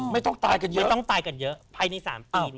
ไม่ต้องตายกันเยอะภายใน๓ปีนี้นะครับ